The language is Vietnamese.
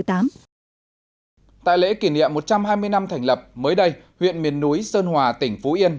tại lễ kỷ niệm một trăm hai mươi năm thành lập mới đây huyện miền núi sơn hòa tỉnh phú yên